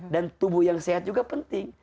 dan tubuh yang sehat juga penting